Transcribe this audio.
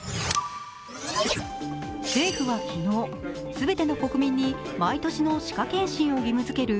政府は昨日、全ての国民に毎年の歯科検診を義務づける